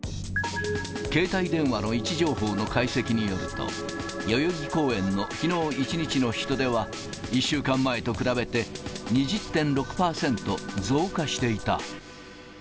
携帯電話の位置情報の解析によると、代々木公園のきのう１日の人出は、１週間前と比べて２０．６％増加していた。